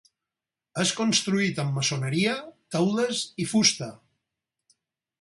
És construït amb maçoneria, teules i fusta.